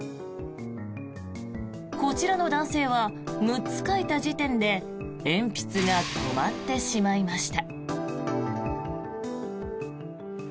こちらの男性は６つ書いた時点で鉛筆が止まってしまいました。